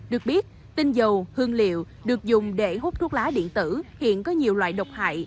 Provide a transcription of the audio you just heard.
được biết tinh dầu hương liệu được dùng để hút thuốc lá điện tử hiện có nhiều loại độc hại